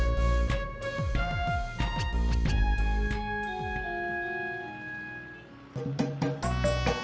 jalannya cepat amat